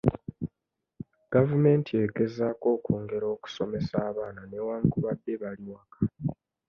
Gavumenti egezaako okwongera okusomesa abaana newankubadde bali waka